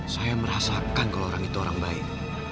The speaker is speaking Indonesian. saya merasakan kalau orang itu orang baik